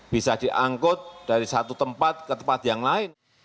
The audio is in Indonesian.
bisa diangkut dari satu tempat ke tempat yang lain